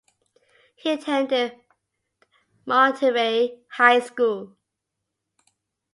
He attended Monterey High School.